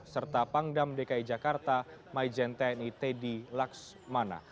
serta pangdam dki jakarta mai jenteni teddy laksmana